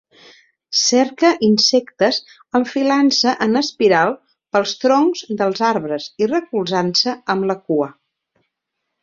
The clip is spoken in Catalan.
Cerca insectes enfilant-se en espiral pels troncs dels arbres i recolzant-se amb la cua.